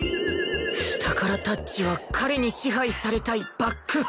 下からタッチは彼に支配されたいバック派